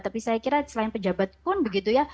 tapi saya kira selain pejabat pun begitu ya